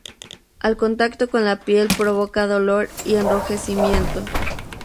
Al contacto con la piel provoca dolor y enrojecimiento.